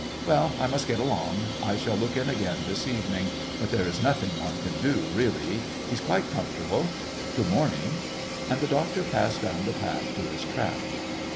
Well, I must get along. I shall look in again this evening, but there is nothing one can do, really. He's quite comfortable.... Good morning," and the Doctor passed down the path to his trap.